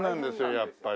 やっぱり。